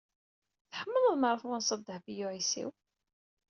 Tḥemmleḍ mi ara twanseḍ Dehbiya u Ɛisiw?